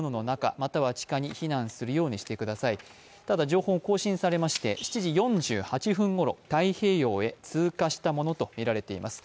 情報更新されまして、７時４８分ごろ太平洋へ追加したものとみられています。